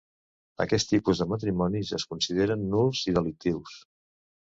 Aquest tipus de matrimonis es consideren nuls i delictius.